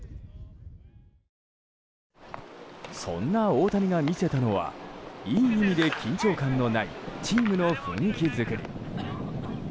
そんな大谷が見せたのはいい意味で緊張感のないチームの雰囲気作り。